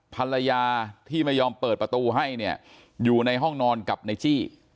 ภรรยาที่ไม่ยอมเปิดประตูให้เนี่ยอยู่ในห้องนอนกับนายจี้